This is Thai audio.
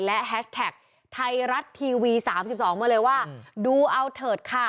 และแฮชแท็กไทยรัฐทีวี๓๒มาเลยว่าดูเอาเถิดค่ะ